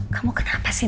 kamu kenapa sih